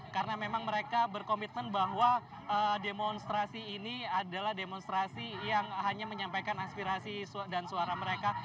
karena memang mereka berkomitmen bahwa demonstrasi ini adalah demonstrasi yang hanya menyampaikan aspirasi dan suara mereka